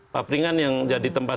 papringan yang jadi tempat